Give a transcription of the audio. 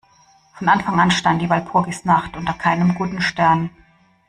Von Anfang an stand die Walpurgisnacht unter keinem guten Stern.